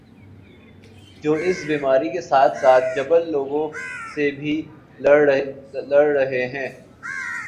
جو اس بیماری کے ساتھ ساتھ جاہل لوگوں سے بھی لڑ رہے ہیں